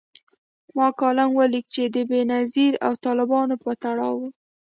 ما کالم ولیکه چي د بېنظیر او طالبانو په تړاو و